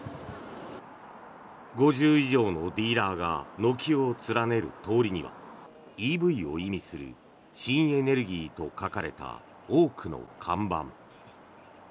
５０以上のディーラーが軒を連ねる通りにはＥＶを意味する新エネルギーと書かれた多くの看板。